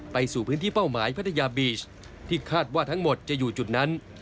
สู่พื้นที่เป้าหมายพัทยาบีชที่คาดว่าทั้งหมดจะอยู่จุดนั้น